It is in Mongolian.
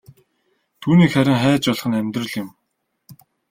Түүнийг харин хайж олох нь амьдрал юм.